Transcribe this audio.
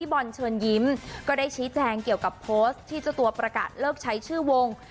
บอลเชิญยิ้มก็ได้ชี้แจงเกี่ยวกับโพสต์ที่เจ้าตัวประกาศเลิกใช้ชื่อวง